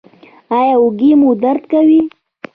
ایا اوږې مو درد کوي؟